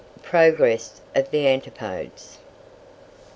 PROGRESS OF THE ANTIPODES.